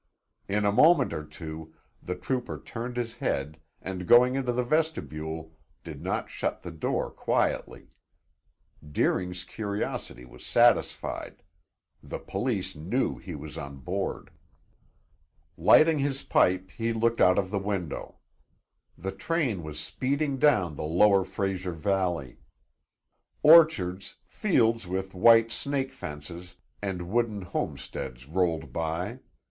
In a moment or two the trooper turned his head, and going into the vestibule, did not shut the door quietly. Deering's curiosity was satisfied; the police knew he was on board. Lighting his pipe, he looked out of the window. The train was speeding down the lower Fraser valley. Orchards, fields with white snake fences, and wooden homesteads rolled by.